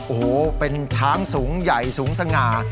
โอ้โหเป็นช้างสูงใหญ่สูงสง่า